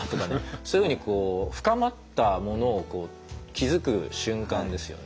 そういうふうに深まったものを気付く瞬間ですよね。